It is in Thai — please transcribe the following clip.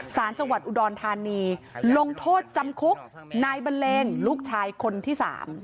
สารจังหวัดอุดรธานีลงโทษจำคุกนายบันเลงลูกชายคนที่๓